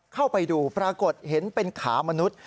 เข้าไปดูปรากฏเห็นเป็นขามนุษย์